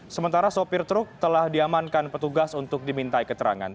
sementara sopir truk telah diamankan petugas untuk dimintai keterangan